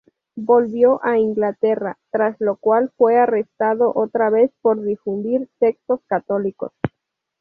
Volvió a Inglaterra, tras lo cual fue arrestado otra vez por difundir textos católicos.